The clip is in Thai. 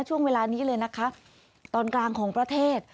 ช่วงเวลานี้เลยนะคะตอนกลางของประเทศ